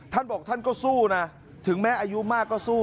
ท่านบอกท่านก็สู้นะถึงแม้อายุมากก็สู้